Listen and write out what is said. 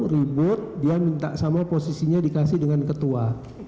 ribut dia minta sama posisinya dikasih dengan ketua